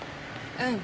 うん。